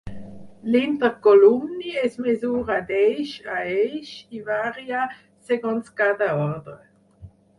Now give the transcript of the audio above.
L'intercolumni es mesura d'eix a eix i varia segons cada ordre.